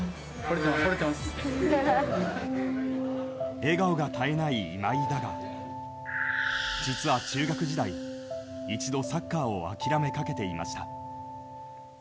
笑顔が絶えない今井だが実は中学時代、一度サッカーを諦めかけていました。